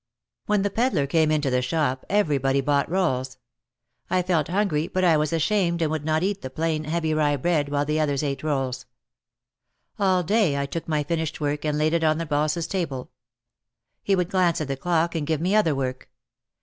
When the pedlar came into the shop everybody bought rolls. I felt hungry but I was ashamed and would not eat the plain, heavy rye bread while the others ate rolls. All day I took my finished work and laid it on the boss's table. He would glance at the clock and give me other work.